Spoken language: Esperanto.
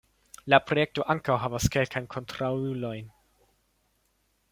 La projekto ankaŭ havas kelkajn kontraŭulojn.